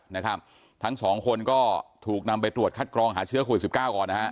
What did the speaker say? นะครับทั้งสองคนก็ถูกนำไปตรวจคัดกรองหาเชื้อโควิดสิบเก้าก่อนนะฮะ